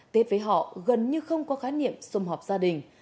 tết với họ gần như không có khái niệm xung họp gia đình